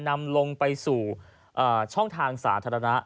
นำลงไปสู่ช่องทางสาธารณะ